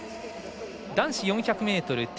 男子４００ｍＴ